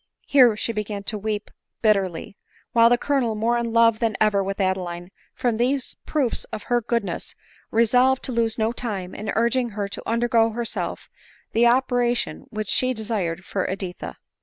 Here she began to weep bitterly ; while the Colonel, more in love than ever with Adeline from these proofs of her goodness, resolved to lose no time in urging her to undergo herself the operation which she desired for Editha.